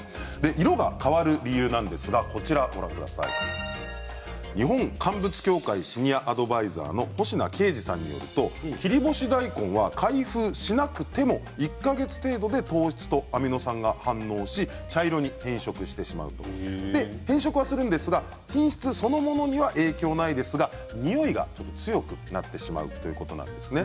色が変わる理由は日本かんぶつ協会シニアアドバイザーの星名桂治さんによりますと切り干し大根は開封しなくても１か月程度で糖質とアミノ酸が反応し茶色に変色してしまうということで変色しますが品質そのものには影響ないですがにおいがちょっと強くなってしまうということなんですね。